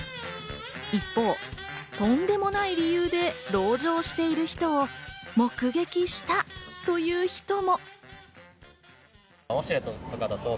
一方、とんでもない理由で籠城をしている人を目撃したという人も。